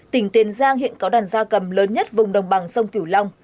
tỉnh tiền giang hiện có đàn gia cầm lớn nhất vùng đồng bằng sông kiểu long